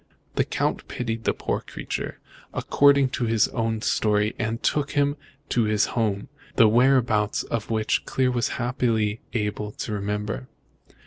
The Count pitied the poor creature, according to his own story, and took him to his home, the whereabouts of which Clear was happily able to remember."